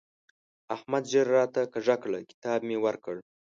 احمد ږيره راته کږه کړه؛ کتاب مې ورکړ.